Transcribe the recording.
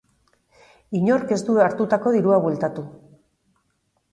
Inork ez du hartutako dirua bueltatu.